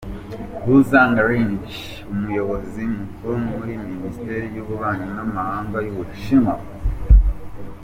Hu ZhangLiang, umuyobozi mukuru muri minisiteri y’ububanyinamahanga y’ubushinwa.